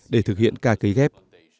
để thực hiện ca cấy ghép